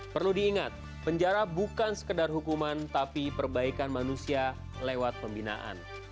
perlu diingat penjara bukan sekedar hukuman tapi perbaikan manusia lewat pembinaan